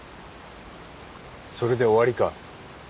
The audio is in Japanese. それで終わりか？